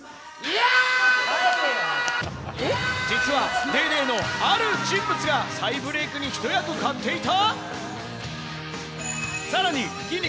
実は『ＤａｙＤａｙ．』のある人物が再ブレークに一役買っていた？